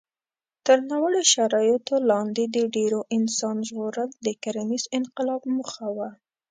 تر ناوړه شرایطو لاندې د ډېرو انسان ژغورل د کرنيز انقلاب موخه وه.